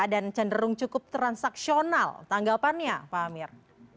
dan cenderung cukup transaksional tanggapannya pak amir